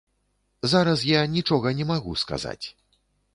Зараз я нічога не магу сказаць.